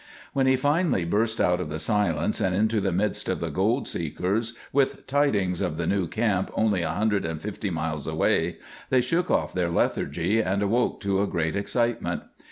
When he finally burst out of the silence and into the midst of the gold seekers with tidings of the new camp only a hundred and fifty miles away they shook off their lethargy and awoke to a great excitement.